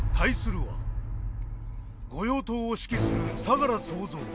御用盗を指揮する相楽総三。